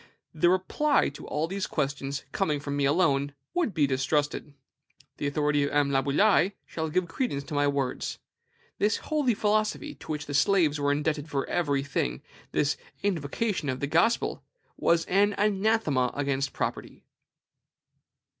The reply to all these questions, coming from me alone, would be distrusted. The authority of M. Laboulaye shall give credence to my words. This holy philosophy, to which the slaves were indebted for every thing, this invocation of the Gospel, was an anathema against property.